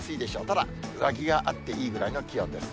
ただ、上着があっていいぐらいの気温です。